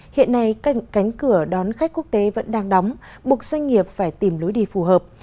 hiện nay cánh cửa đón khách quốc tế vẫn đang đóng buộc doanh nghiệp phải tìm lối đi phù hợp